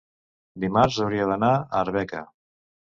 dimarts hauria d'anar a Arbeca.